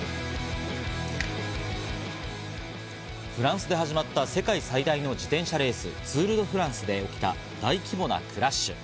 フランスで始まった世界最大の自転車レース、ツール・ド・フランスで起きた大規模なクラッシュ。